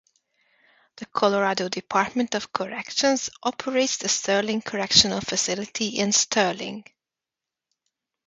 The Colorado Department of Corrections operates the Sterling Correctional Facility in Sterling.